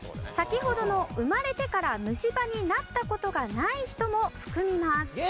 先ほどの生まれてから虫歯になった事がない人も含みます。